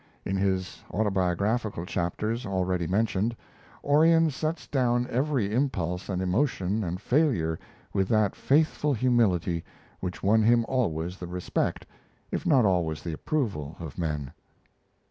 In his autobiographical chapters, already mentioned, Orion sets down every impulse and emotion and failure with that faithful humility which won him always the respect, if not always the approval, of men.